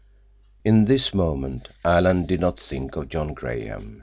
In this moment Alan did not think of John Graham.